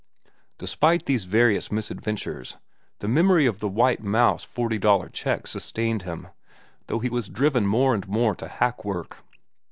Despite these various misadventures, the memory of the White Mouse forty dollar check sustained him, though he was driven more and more to hack work.